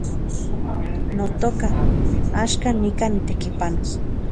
Notoka, axkan nikan nitekipanos